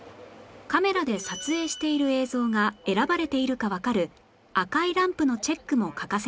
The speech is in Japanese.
カメラで撮影している映像が選ばれているかわかる赤いランプのチェックも欠かせません